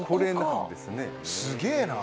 すげぇな。